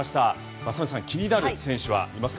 雅美さん、気になる選手はいますか。